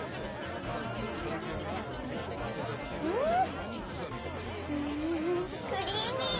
ん！んクリーミー！